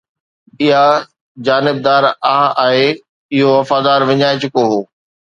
اها جاندار آه هئي، اهو وقار وڃائي چڪو هو